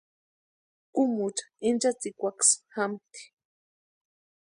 Kúmucha inchatsikwasï jámti.